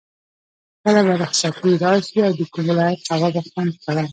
کله به رخصتي راشي او د کوم ولایت هوا به خوند کړم.